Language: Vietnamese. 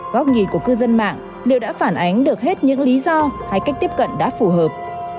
góc nhìn của cư dân mạng liệu đã phản ánh được hết những lý do hay cách tiếp cận đã phù hợp